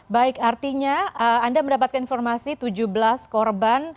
baik artinya anda mendapatkan informasi tujuh belas korban